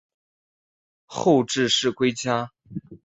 后致仕归家。